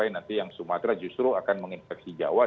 nanti yang sumatera justru akan menginfeksi jawa